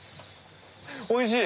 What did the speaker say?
おいしい！